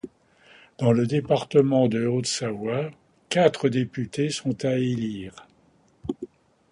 Dans le département de Haute-Savoie, quatre députés sont à élire.